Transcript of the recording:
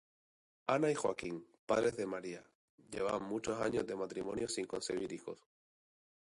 Ana y Joaquín, padres de María, llevaban muchos años de matrimonio sin concebir hijos.